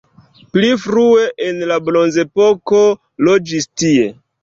Pli frue en la bronzepoko loĝis tie.